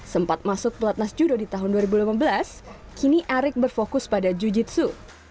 sempat masuk pelatnas judo di tahun dua ribu lima belas kini arik berfokus pada jiu jitsu